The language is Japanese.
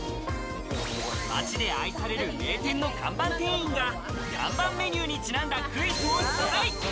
街で愛される名店の看板店員が看板メニューにちなんだクイズを出題。